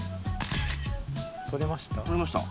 撮れました？